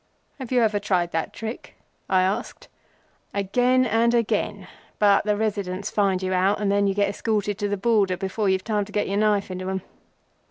"Have you ever tried that trick?" I asked. "Again and again, but the Residents find you out, and then you get escorted to the Border before you've time to get your knife into them.